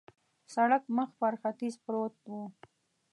سړک مخ پر ختیځ پروت و.